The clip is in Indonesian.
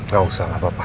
gak usah apa apa